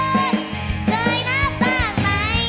เคยรักบ้างไหม